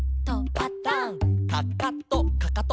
「パタン」「かかとかかと」